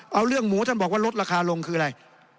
เอาเรื่องหมูท่านบอกว่าลดราคาลงคืออะไร